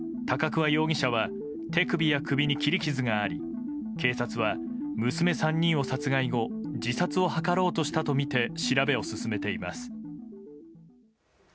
高桑容疑者は手首や首に切り傷があり警察は、娘３人を殺害後自殺を図ろうとしたとみて調べを進めています。